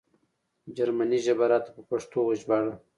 جرمنۍ ژبه راته په پښتو وژباړه